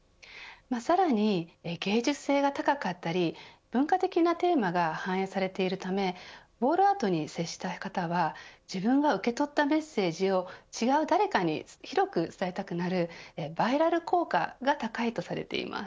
さらに芸術性が高かったり文化的なテーマが反映されているためウォールアートに接したい方は自分が受け取ったメッセージを違う誰かに広く伝えたくなるバイラル効果が高いとされています。